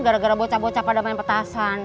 gara gara bocah bocah pada main petasan